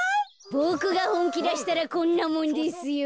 ボクがほんきだしたらこんなもんですよ。